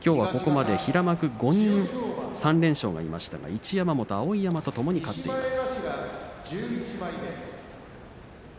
きょうはここまで平幕３連勝がいましたが一山本、碧山ともに勝っています。